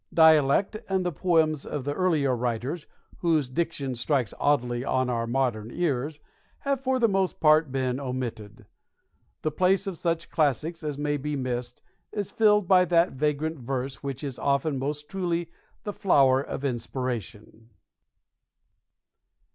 Dialect, and the poems of the earlier writers whose diction strikes oddly on our modern ears, have for the most part been omitted. The place of such classics as may be missed is filled by that vagrant verse which is often most truly the flower of inspiration.